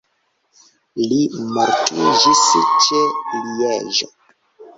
Li mortiĝis ĉe Lieĝo.